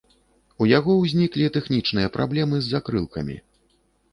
У яго ўзніклі тэхнічныя праблемы з закрылкамі.